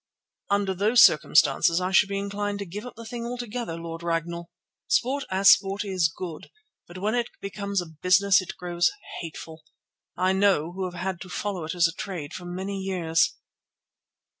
"Under those circumstances I should be inclined to give up the thing altogether, Lord Ragnall. Sport as sport is good, but when it becomes a business it grows hateful. I know, who have had to follow it as a trade for many years."